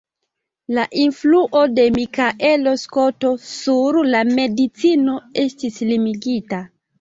La influo de Mikaelo Skoto sur la medicino estis limigita.